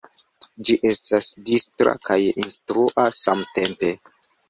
Ĝi estas distra kaj instrua samtempe.